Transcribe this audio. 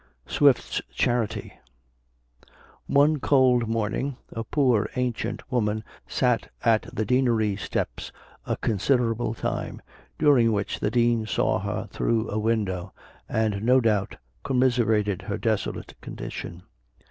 SWIFT'S CHARITY. One cold morning a poor ancient woman sat at the deanery steps a considerable time, during which the dean saw her through a window, and, no doubt, commiserated her desolate condition.